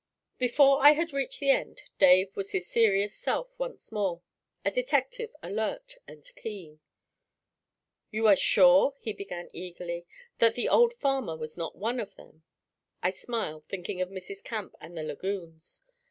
Before I had reached the end Dave was his serious self once more a detective alert and keen. 'You are sure,' he began eagerly, 'that the old farmer was not one of them?' I smiled, thinking of Mrs. Camp and the 'laggoons.'